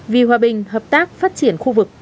vì hòa bình hợp tác phát triển khu vực